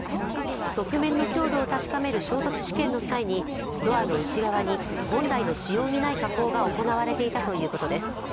側面の強度を確かめる衝突試験の際にドアの内側に本来の仕様にない加工が行われていたということです。